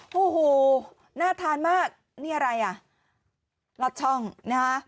โอ้โหน่าทานมากนี่อะไรอ่ะลอดช่องนะฮะ